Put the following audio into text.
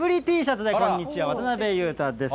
エブリィＴシャツでこんにちは、渡辺裕太です。